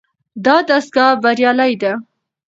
دا دستګاه بریالۍ ده.